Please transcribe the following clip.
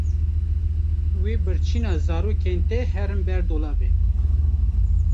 Wê birçîna zarokên te herin ber dolabê.